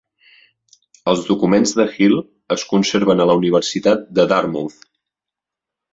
Els documents de Hill es conserven a la Universitat de Darmouth.